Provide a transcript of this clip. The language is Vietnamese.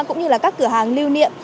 cũng như là các cửa hàng lưu niệm